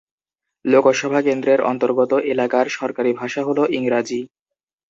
লোকসভা কেন্দ্রের অন্তর্গত এলাকার সরকারি ভাষা হল ইংরাজী।